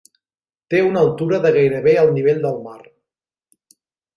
Té una altura de gairebé el nivell del mar.